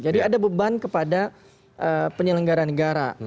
jadi ada beban kepada penyelenggara negara